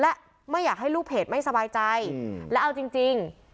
และไม่อยากให้ลูกเพจไม่สบายใจและเอาจริง